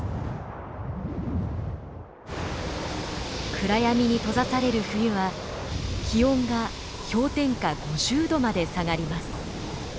暗闇に閉ざされる冬は気温が氷点下５０度まで下がります。